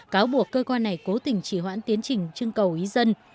cáo buộc cơ quan này cố tình chỉ hoãn tiến trình trưng cầu ý dân